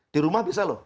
di rumah bisa loh